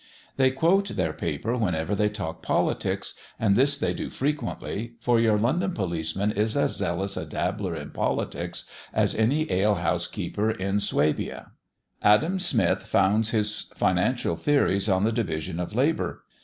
They quote their paper whenever they talk politics, and this they do frequently, for your London policeman is as zealous a dabbler in politics as any ale house keeper in Suabia. Adam Smith founds his financial theories on the division of labour.